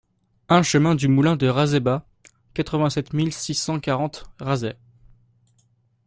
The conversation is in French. un chemin du Moulin de Razès-Bas, quatre-vingt-sept mille six cent quarante Razès